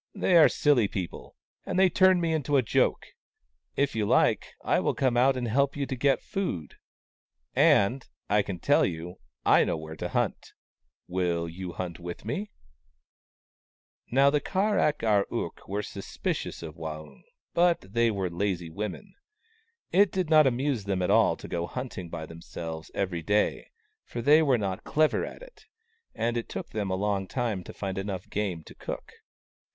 " They are silly people, and they turn me into a joke. If you like, I will come out and help you to get food — and, I can tell you, I know where to hunt. Will you hunt with me ?" Now the Kar ak ar ook were suspicious of Waung, but they were lazy women. It did not amuse them at all to go hunting by themselves every day, for they were not clever at it, and it took them a long time to find enough game to cook.